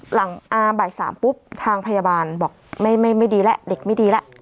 หลังอ่าบ่ายสามปุ๊บทางพยาบาลบอกไม่ไม่ไม่ดีแล้วเด็กไม่ดีแล้วอืม